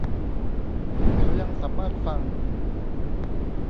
เขายังสามารถฟัง